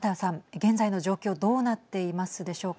現在の状況どうなっていますでしょうか。